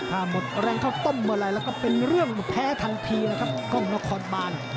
ถ้าหมดแรงเข้าต้มเมื่อไหร่แล้วก็เป็นเรื่องแพ้ทันทีแล้วครับกล้องนครบาน